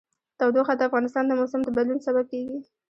تودوخه د افغانستان د موسم د بدلون سبب کېږي.